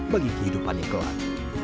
bagi kehidupannya keluar